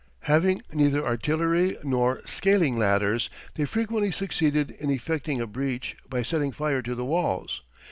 Having neither artillery nor scaling ladders, they frequently succeeded in effecting a breach by setting fire to the walls.